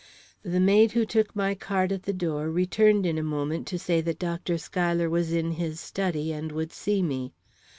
The maid who took my card at the door returned in a moment to say that Dr. Schuyler was in his study and would see me.